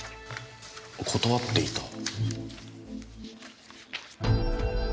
断っていた。